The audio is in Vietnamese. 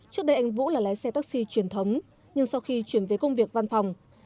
trước đây anh vũ là lái xe taxi truyền thống nhưng sau khi chuyển về công việc văn phòng